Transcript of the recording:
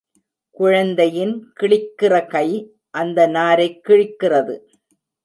குழந்தையின் கிழிக்கிற கை அந்த நாரைக் கிழிக்கிறது.